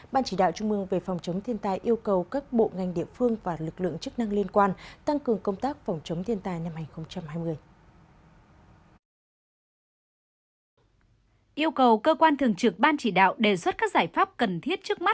ban chỉ đạo trung mương về phòng chống thiên tai yêu cầu các bộ ngành địa phương và lực lượng chức năng liên quan tăng cường công tác phòng chống thiên tai năm hai nghìn hai mươi